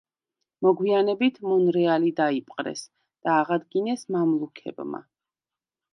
მოგვიანებით მონრეალი დაიპყრეს და აღადგინეს მამლუქებმა.